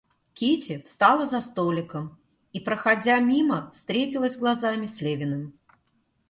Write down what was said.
Кити встала за столиком и, проходя мимо, встретилась глазами с Левиным.